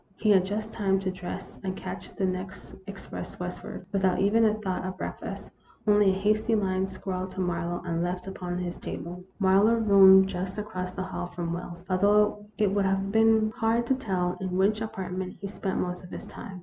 He had just time to dress and catch the next express westward, without even a thought of breakfast, only a hasty line scrawled to Marlowe, and left upon his table. Marlowe roomed just across the hall from Wells, although it would have been hard to tell in which apartment he spent most of his time.